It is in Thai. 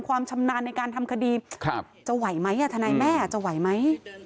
ความชำนาญในการทำคดีจะไหวไหมทนายแม่จะไหวไหม